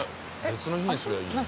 別の日にすりゃいい。